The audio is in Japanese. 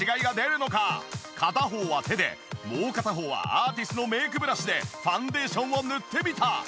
片方は手でもう片方はアーティスのメイクブラシでファンデーションを塗ってみた！